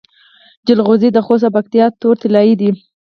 جلغوزي د خوست او پکتیا تور طلایی دي